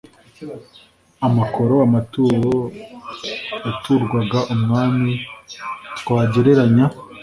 amakoro amaturo yaturwaga umwami twagereranya